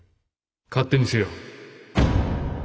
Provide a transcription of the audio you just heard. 勝手にせよ。